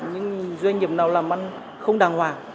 những doanh nghiệp nào làm ăn không đàng hoàng